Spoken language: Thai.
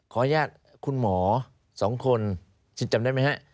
ขออนุญาตคุณหมอ๒คนจิตจำได้ไหมครับ